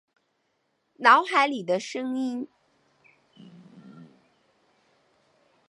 脑海里的声音